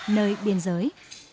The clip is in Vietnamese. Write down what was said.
nơi biên giới